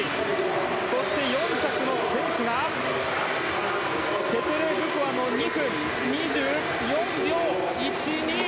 そして４着の選手がテテレブコワの２分２４秒１２。